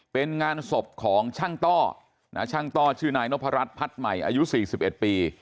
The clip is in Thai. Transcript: เป็นงานศพของช่างต้อช่างต้อชื่อนายนพรัชพัฒน์ใหม่อายุ๔๑ปี